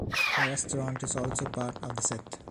A restaurant is also part of the set.